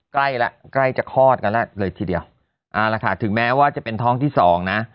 ใกล้จะคลอดกันแล้วเลยทีเดียวถึงแม้ว่าจะเป็นท้องที่๒นะ